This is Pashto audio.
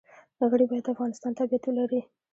غړي باید د افغانستان تابعیت ولري.